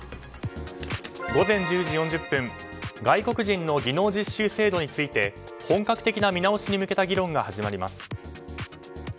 午前１０時４０分外国人の技能実習制度について本格的な見直しに向けた議論が始まります。